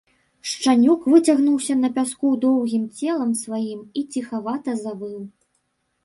Шчанюк выцягнуўся на пяску доўгім целам сваім і ціхавата завыў.